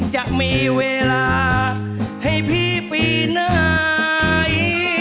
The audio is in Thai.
จะมีเวลาให้พี่ปีไหน